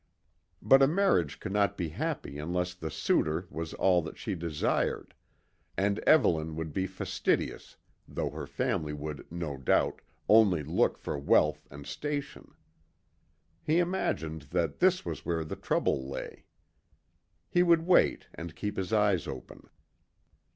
But a marriage could not be happy unless the suitor was all that she desired, and Evelyn would be fastidious, though her family would, no doubt, only look for wealth and station. He imagined that this was where the trouble lay. He would wait and keep his eyes open.